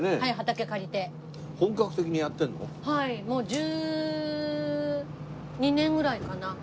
もう１２年ぐらいかな。